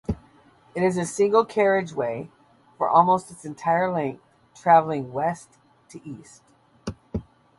It is a single carriageway for almost its entire length, travelling west-east.